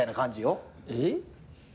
えっ？